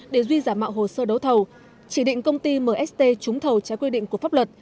để duy giả mạo hồ sơ đấu thầu chỉ định công ty mst trúng thầu trái quy định của pháp luật